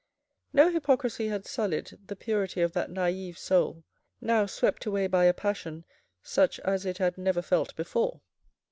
No hypocrisy had sullied the purity of that naive soul, now swept away by a passion such as it had never felt before.